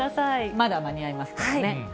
まだ間に合いますからね。